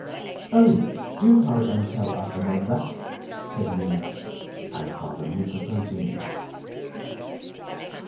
'Oh! do hurry and tell us about that,' said Mimi, and Father Mikko continued.